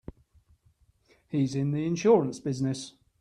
He's in the insurance business.